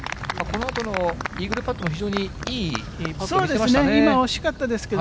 このあとのイーグルパットも非常にいいパット、見せましたね。